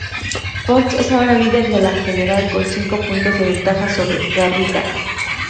Pons es ahora líder de la general con cinco puntos de ventaja sobre Garriga.